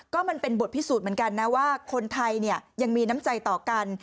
ก็มันเป็นบทพิสูจน์เหมือนกันนะว่าคนไทยยังมีน้ำใจต่อกัน